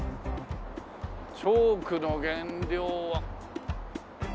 チョークの原料は。